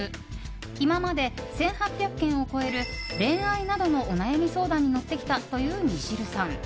今まで１８００件を超える恋愛などのお悩み相談に乗ってきたというミシルさん。